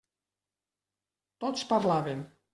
Tots parlaven.